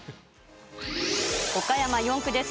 岡山４区です。